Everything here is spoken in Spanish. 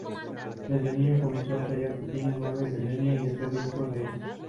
De niño, comenzó a tallar pequeñas naves de leña y hacer dibujos de ellas.